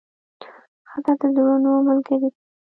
ښځه د زړونو ملګرې ده.